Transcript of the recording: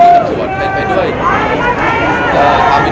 มุมการก็แจ้งแล้วเข้ากลับมานะครับ